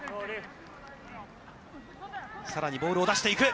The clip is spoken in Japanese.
さらにボールを出していく。